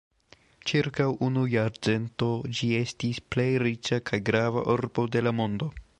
Ĉirkaŭ unu jarcento ĝi estis plej riĉa kaj grava urbo de la mondo.